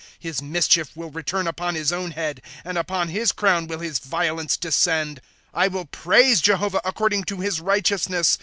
' His mischief will return upon his own head, And upon his crown will his violence descend. ^ I will praise Jehovah, according to his righteousness.